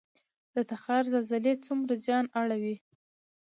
د تخار زلزلې څومره زیان اړوي؟